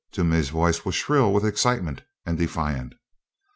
Toomey's voice was shrill with excitement and defiant.